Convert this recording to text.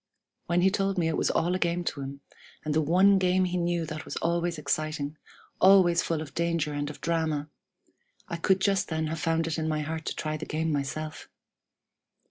When he told me it was all a game to him, and the one game he knew that was always exciting, always full of danger and of drama, I could just then have found it in my heart to try the game myself!